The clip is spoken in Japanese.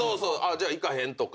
「じゃ行かへん」とか。